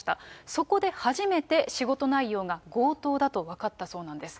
そこで初めて、仕事内容が強盗だと分かったそうなんです。